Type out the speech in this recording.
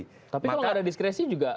tapi kalau ada diskresi juga